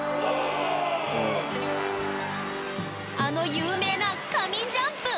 あの有名な神ジャンプ！